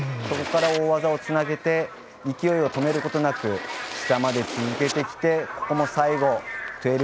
それから、大技をつなげて勢いを止めることなく下まで続けてきて最後、１２６０。